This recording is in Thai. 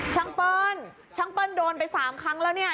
เปิ้ลช่างเปิ้ลโดนไป๓ครั้งแล้วเนี่ย